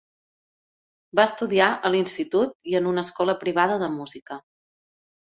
Va estudiar a l'institut i en una escola privada de música.